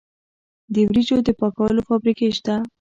د وریجو د پاکولو فابریکې شته.